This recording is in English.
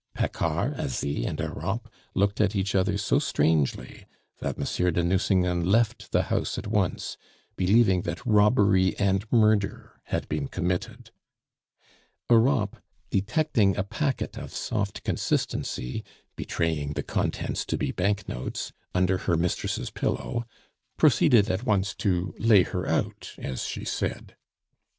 Paccard, Asie, and Europe looked at each other so strangely that Monsieur de Nucingen left the house at once, believing that robbery and murder had been committed. Europe, detecting a packet of soft consistency, betraying the contents to be banknotes, under her mistress' pillow, proceeded at once to "lay her out," as she said.